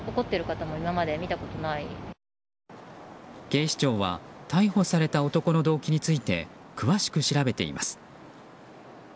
警視庁は逮捕された男の動機について詳しく調べています。